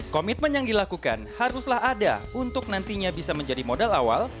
komitmen yang dilakukan haruslah ada untuk nantinya bisa menjadi modal awal